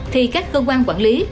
thì các cơ quan quản lý